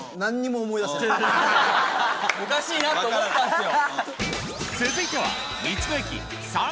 おかしいなと思ったんすよ。